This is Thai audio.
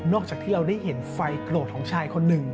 จากที่เราได้เห็นไฟโกรธของชายคนหนึ่ง